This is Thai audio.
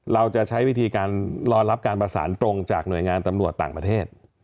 เราจะใช้วิธีการรอรับการประสานตรงจากหน่วยงานตำรวจต่างประเทศ